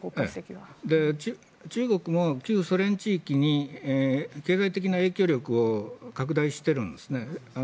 中国も旧ソ連地域に経済的な影響力を拡大しているんですね。